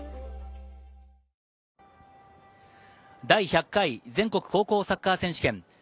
第１００回全国高校サッカー選手権。